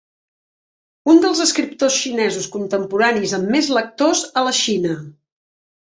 Un dels escriptors xinesos contemporanis amb més lectors a la Xina.